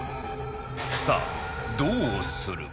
さあどうする？